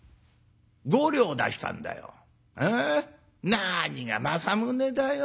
何が正宗だよ。